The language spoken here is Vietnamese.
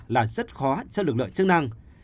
là rất khó cho lực lượng chức năng